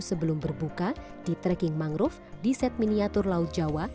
sebelum berbuka di trekking mangrove di set miniatur laut jawa